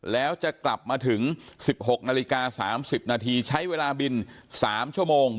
แล้วจะกลับมาถึง๑๖นาฬิกา๓๐นาทีใช้เวลาบิน๓ชั่วโมง